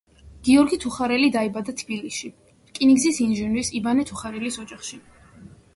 გიორგი თუხარელი დაიბადა თბილისში, რკინიგზის ინჟინრის ივანე თუხარელის ოჯახში.